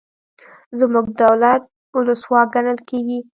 زموږ دولت ولسواک ګڼل کیږي.